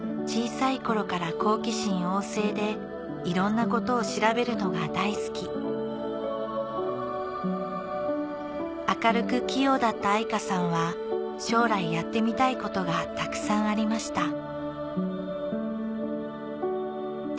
小さい頃から好奇心旺盛でいろんなことを調べるのが大好き明るく器用だった愛華さんは将来やってみたいことがたくさんありました